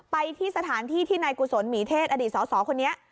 ไปที่สถานที่ที่นายกุศลหมีเทศอดีตสสคนนี้